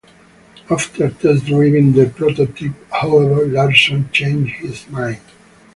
After test driving the prototype, however, Larsson changed his mind.